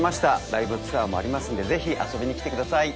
ライブツアーもありますのでぜひ遊びに来てください。